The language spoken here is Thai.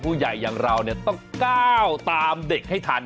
อย่างเราต้องก้าวตามเด็กให้ทัน